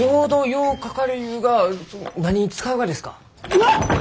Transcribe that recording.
うわっ！